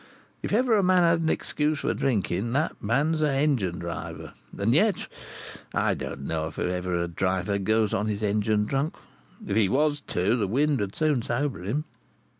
If ever a man had an excuse for drinking, that man's a engine driver. And yet I don't know if ever a driver goes upon his engine drunk. If he was to, the wind would soon sober him.